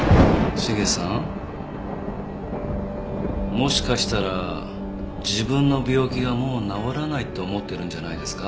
もしかしたら自分の病気がもう治らないって思ってるんじゃないですか？